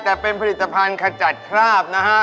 แต่เป็นผลิตภัณฑ์ขจัดคราบนะฮะ